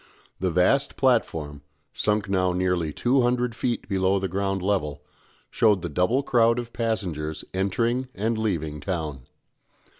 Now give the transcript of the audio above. The vast platform, sunk now nearly two hundred feet below the ground level, showed the double crowd of passengers entering and leaving town.